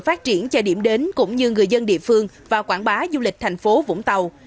phát triển cho điểm đến cũng như người dân địa phương và quảng bá du lịch thành phố vũng tàu